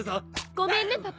ごめんねパパ。